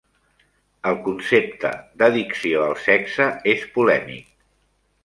El concepte d'addicció al sexe és polèmic.